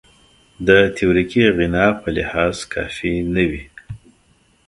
د تیوریکي غنا په لحاظ کافي نه وي.